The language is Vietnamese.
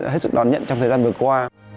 hết sự đón nhận trong thời gian vừa qua